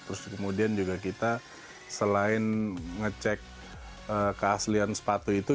terus kemudian juga kita selain ngecek keaslian sepatu itu